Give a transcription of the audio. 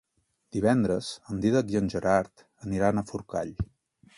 Divendres en Dídac i en Gerard aniran a Forcall.